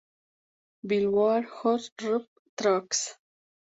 Billboard Hot Rap Tracks.